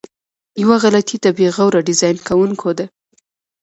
یوه غلطي د بې غوره ډیزاین کوونکو ده.